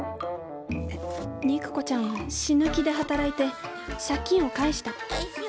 肉子ちゃんは死ぬ気で働いて借金を返した。